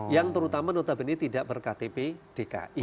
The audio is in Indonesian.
yang terutama notabene tidak berktp dki